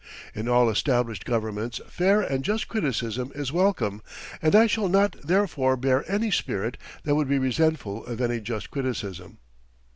In all established governments fair and just criticism is welcome and I shall not therefore bear any spirit that would be resentful of any just criticism.